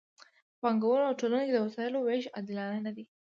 په پانګوالو ټولنو کې د وسایلو ویش عادلانه نه دی.